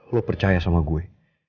lo percaya sama gue